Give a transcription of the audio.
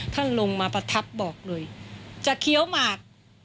ท่านลงมาประทับบอกเลยจะเคี้ยวหมาก